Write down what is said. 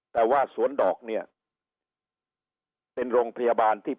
แต่ว่าสวนดอกเนี่ยเป็นโรงพยาบาลที่